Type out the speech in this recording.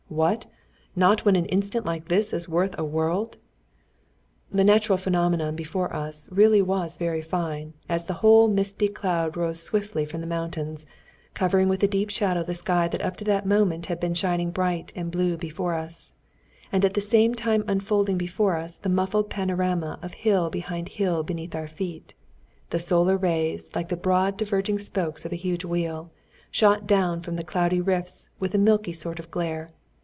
"What! Not look when an instant like this is worth a world?" The natural phenomenon before us really was very fine, as the whole misty cloud rose swiftly from the mountains, covering with a deep shadow the sky that up to that moment had been shining bright and blue before us, and at the same time unfolding before us the muffled panorama of hill behind hill beneath our feet; the solar rays, like the broad diverging spokes of a huge wheel, shot down from the cloudy rifts with a milky sort of glare.